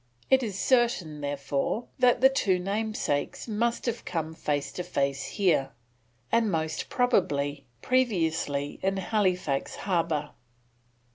It is certain, therefore, that the two namesakes must have come face to face here, and most probably previously in Halifax Harbour.